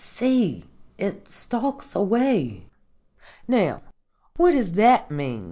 _ See, it stalks away'" "Now, what does that mean?"